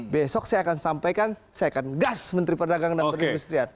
besok saya akan sampaikan saya akan gas menteri perdagangan dan perindustrian